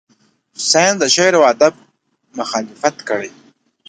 ساینس د شعر و ادب مخالفت کړی.